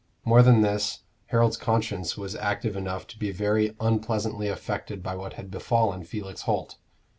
More than this, Harold's conscience was active enough to be very unpleasantly affected by what had befallen Felix Holt.